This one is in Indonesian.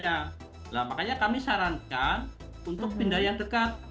nah makanya kami sarankan untuk pindah yang dekat